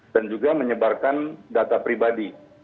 dan juga menyebarkan data pribadi